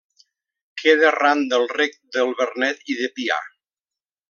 Queda ran del Rec del Vernet i de Pià.